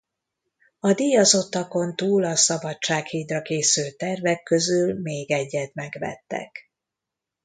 A díjazottakon túl a Szabadság hídra készült tervek közül még egyet megvettek.